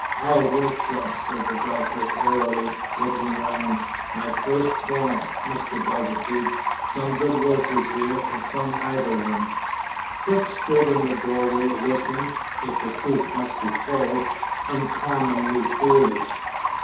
"Our workshop," said the Doctor airily, looking round. "My first form, Mr. Bultitude. Some good workers here, and some idle ones." Dick stood in the doorway, looking (if the truth must be told) uncommonly foolish.